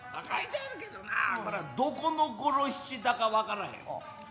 書いてあるけどなこれどこの五郎七だか判らへん。